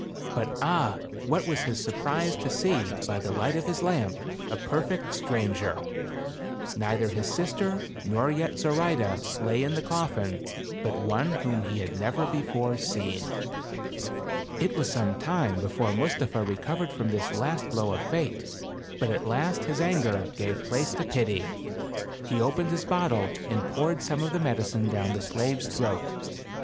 But ah ! what was his sur prise to see, by the light of his lamp, a perfect 182 THE CAE AVAN. stranger. Neither his sister, nor yet Zoraide, lay in the coffin, but one whom he had never be fore seen. It was some time before Mustapha recovered from this last blow of Fate ; but at last his anger gave place to pity. He opened his bottle and poured some of the medicine down the slave's throat.